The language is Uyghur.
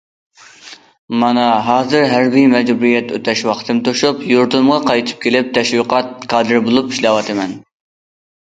مانا ھازىر ھەربىي مەجبۇرىيەت ئۆتەش ۋاقتىم توشۇپ، يۇرتۇمغا قايتىپ كېلىپ تەشۋىقات كادىرى بولۇپ ئىشلەۋاتىمەن.